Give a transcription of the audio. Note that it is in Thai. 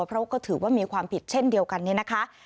เพราะก็ถือว่ามีความผิดเช่นเดียวกันเนี่ยนะคะ